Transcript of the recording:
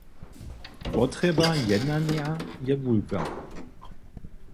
Potrjeba jednanja je wulka.